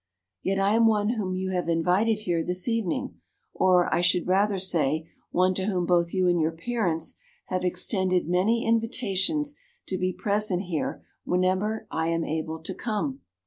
"'Yet I am one whom you have invited here this evening, or, I should rather say, one to whom both you and your parents have extended many invitations to be present here whenever I am able to come.